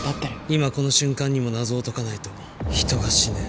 今この瞬間にも謎を解かないと人が死ぬ。